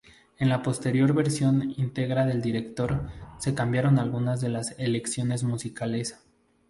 En la posterior versión íntegra del director, se cambiaron algunas de las elecciones musicales.